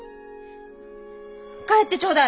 帰ってちょうだい！